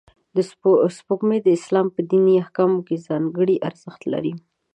سپوږمۍ د اسلام په دیني احکامو کې ځانګړی ارزښت لري